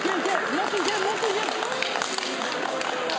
もっといけもっといけ！